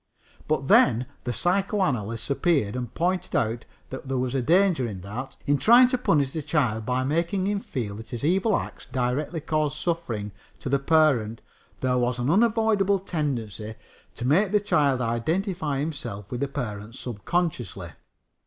But then the psychoanalysts appeared and pointed out that there was danger in that. In trying to punish the child by making him feel that his evil acts directly caused suffering to the parent there was an unavoidable tendency to make the child identify himself with the parent subconsciously.